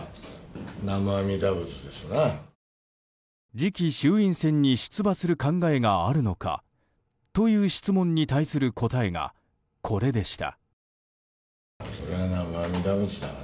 次期衆院選に出馬する考えがあるのかという質問に対する答えがこれでした。